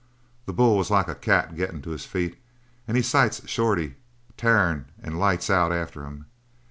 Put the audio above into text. "That bull was like a cat gettin' to his feet, and he sights Shorty tarin' and lights out after him.